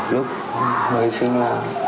lúc mới sinh là